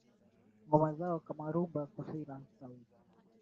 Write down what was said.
ngoma zao kama Rumba Kali Sauti ya Wagumu Twasafiri na Kua Ukomae kwa prodyuza